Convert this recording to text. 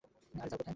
আরে, যাও কোথায়!